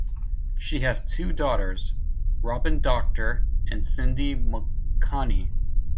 She has two daughters, Robin Doctor and Cindy Molchany.